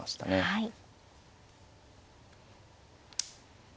はい。